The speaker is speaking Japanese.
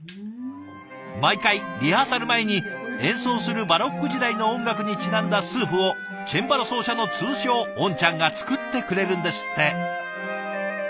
毎回リハーサル前に演奏するバロック時代の音楽にちなんだスープをチェンバロ奏者の通称おんちゃんが作ってくれるんですって。